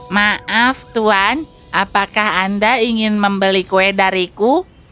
maaf tuan apakah anda ingin membeli kue dariku